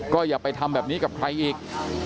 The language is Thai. ก็อย่าไปทำแบบนี้กับใครอีก